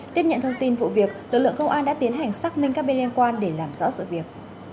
tiếp nhận thông tin vụ việc lực lượng công an đã tiến hành xác minh các bên liên quan để làm rõ sự việc